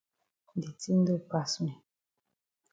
De tin don pass me.